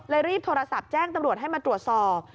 รีบโทรศัพท์แจ้งตำรวจให้มาตรวจสอบ